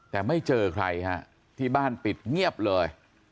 แต่ไม่เจอใครฮะที่บ้านปิดเงียบเลย